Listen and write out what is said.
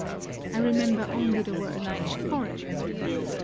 I remember only the word " forign."